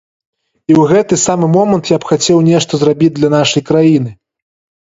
І ў гэты самы момант я б хацеў нешта зрабіць для нашай краіны.